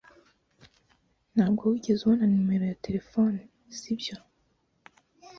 Ntabwo wigeze ubona numero ye ya terefone, sibyo?